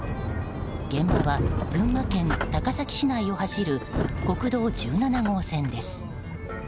現場は群馬県高崎市内を走る国道１７号線です。